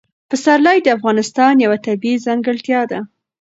پسرلی د افغانستان یوه طبیعي ځانګړتیا ده.